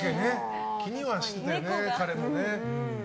気にはしてたよね、彼も。